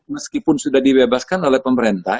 meskipun sudah dibebaskan oleh pemerintah